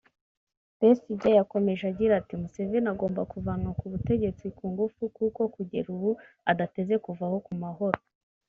Besigye yakomeje agira ati “Museveni agomba kuvanwa ku butegetsi ku ngufu kuko kugeza ubu adateze kuvaho ku mahoro